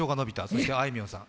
そしてあいみょんさん。